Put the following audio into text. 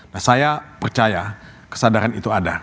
nah saya percaya kesadaran itu ada